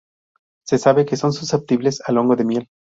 Se sabe que son susceptibles al hongo de miel.